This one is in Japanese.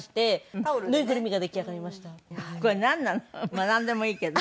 まあなんでもいいけど。